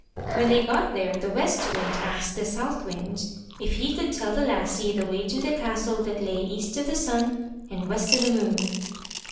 When they got there the West Wind asked the South Wind if he could tell the lassie the way to the castle that lay EAST O' THE SUN AND WEST O' THE MOON.